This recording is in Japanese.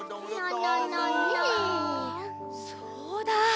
そうだ！